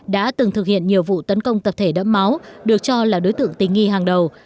đã từng thực hiện nhiều vụ tấn công tập thể đẫm máu được cho là đối tượng tình nghi hàng đầu